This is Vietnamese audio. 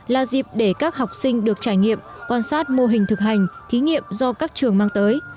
là dịp để các học sinh được trải nghiệm quan sát mô hình thực hành thí nghiệm do các trường mang tới